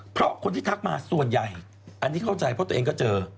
เพราะคนที่ทักมาส่วนใหญ่อันนี้เข้าใจเพราะตัวเองก็เจอ